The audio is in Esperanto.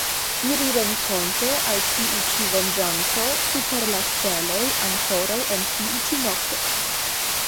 Iri renkonte al tiu ĉi venĝanto super la steloj ankoraŭ en tiu ĉi nokto!